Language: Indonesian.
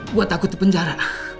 gue takut dipenjara